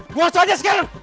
buang saja sekarang